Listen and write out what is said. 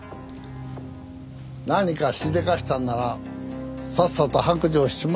何かしでかしたんならさっさと白状しちまいな。